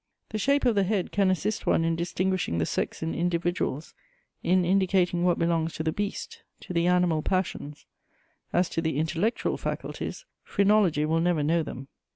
The shape of the head can assist one in distinguishing the sex in individuals, in indicating what belongs to the beast, to the animal passions; as to the intellectual faculties, phrenology will never know them.